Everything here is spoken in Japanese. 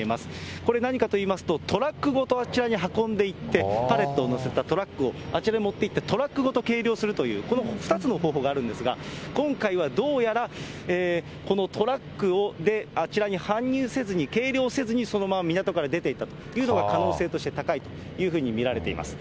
これ、何かといいますと、トラックごとあちらに運んでいって、パレットを載せたトラックをあちらに持っていって、トラックごと計量するという、この２つの方法があるんですが、今回はどうやら、このトラックであちらに搬入せずに、計量せずに、そのまま港から出ていったというのが、可能性として高いというふうに見られています。